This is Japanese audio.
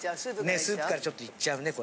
ねえスープからちょっといっちゃうね